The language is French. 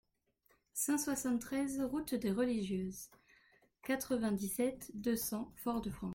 cent soixante-treize route des Religieuses, quatre-vingt-dix-sept, deux cents, Fort-de-France